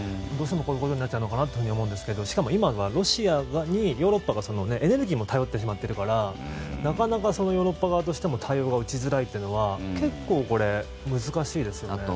どうしてもこういうことになっちゃうのかなと思うんですがしかも今はヨーロッパ側がロシアにエネルギーも頼ってしまっているからなかなかヨーロッパ側としても対応が打ちづらいというのは難しいですね。